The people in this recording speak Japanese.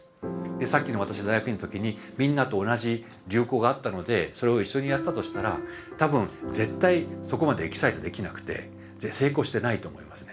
さっきの私大学院の時にみんなと同じ流行があったのでそれを一緒にやったとしたら多分絶対そこまでエキサイトできなくて成功してないと思いますね。